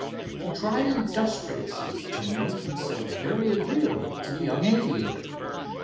He tried industriously to make himself very agreeable to the young aviator.